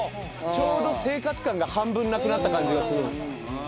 ちょうど生活感が半分なくなった感じがする。